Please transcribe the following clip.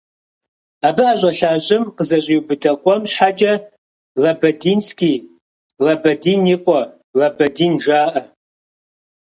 Абы ӀэщӀэлъа щӀым къызэщӀиубыдэ къуэм щхьэкӀэ «Лабадинский», «Лабадин и къуэ», «Лабадин» жаӀэ.